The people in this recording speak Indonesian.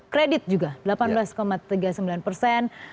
kredit juga delapan belas tiga puluh sembilan persen